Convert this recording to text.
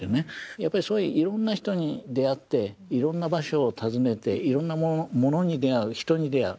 やっぱりいろんな人に出会っていろんな場所を訪ねていろんなものに出会う人に出会う。